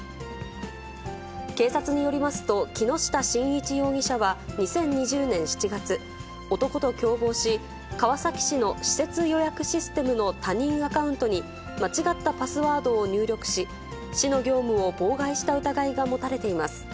警察によりますと、木下伸一容疑者は２０２０年７月、男と共謀し、川崎市の施設予約システムの他人アカウントに、間違ったパスワードを入力し、市の業務を妨害した疑いが持たれています。